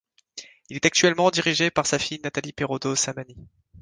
Il est actuellement dirigé par sa fille Nathalie Perrodo Samani.